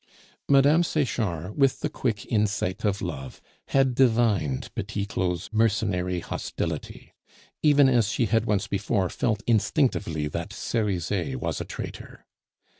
Mme. Sechard, with the quick insight of love, had divined Petit Claud's mercenary hostility, even as she had once before felt instinctively that Cerizet was a traitor.